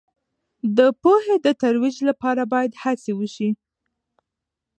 د پوهې د ترویج لپاره باید هڅې وسي.